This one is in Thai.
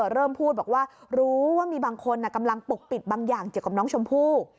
เริ่มพูดบอกว่ารู้ว่ามีบางคนกำลังปกปิดบางอย่างเกี่ยวกับน้องชมพู่